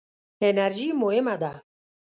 انرژي مهمه ده.